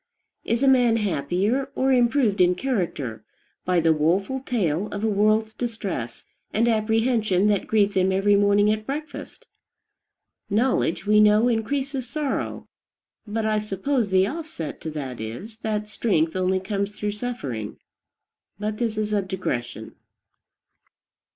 Is a man happier, or improved in character, by the woful tale of a world's distress and apprehension that greets him every morning at breakfast? Knowledge, we know, increases sorrow; but I suppose the offset to that is, that strength only comes through suffering. But this is a digression.